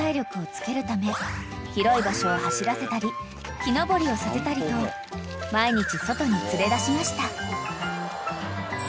［広い場所を走らせたり木登りをさせたりと毎日外に連れ出しました］